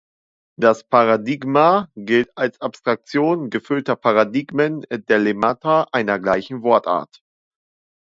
Das Paradigma gilt als Abstraktion gefüllter Paradigmen der Lemmata einer gleichen Wortart.